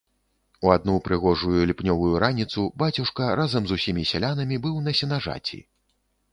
У адну прыгожую ліпнёвую раніцу бацюшка разам з усімі сялянамі быў на сенажаці.